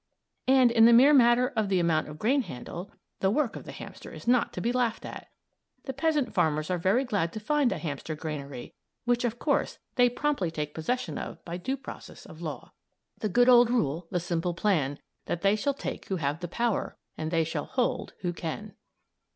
And in the mere matter of the amount of grain handled, the work of the hamster is not to be laughed at. The peasant farmers are very glad to find a hamster granary, which, of course, they promptly take possession of by due process of law: "The good old rule, the simple plan That they shall take who have the power, And they shall hold who can."